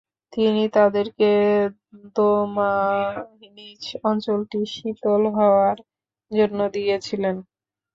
তিনি তাদেরকে দোমানীচ অঞ্চলটি শীতল হওয়ার জন্য দিয়েছিলেন।